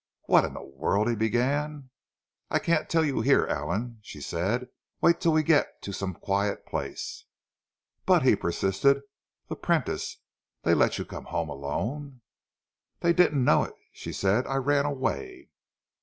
"What in the world—" he began. "I can't tell you here, Allan," she said. "Wait till we get to some quiet place." "But," he persisted. "The Prentice? They let you come home alone?" "They didn't know it," she said. "I ran away."